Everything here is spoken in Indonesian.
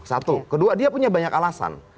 satu kedua dia punya banyak alasan